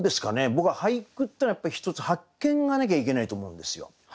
僕は俳句ってのはやっぱり一つ発見がなきゃいけないと思うんですよ。